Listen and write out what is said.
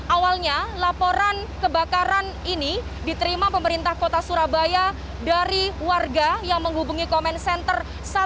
awalnya laporan kebakaran ini diterima pemerintah kota surabaya dari warga yang menghubungi komen center satu ratus dua belas